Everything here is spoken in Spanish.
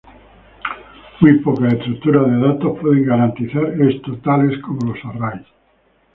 Muy pocas estructuras de datos pueden garantizar esto, tales como los "arrays".